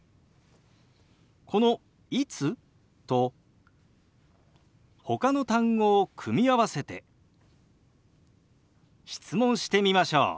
この「いつ？」とほかの単語を組み合わせて質問してみましょう。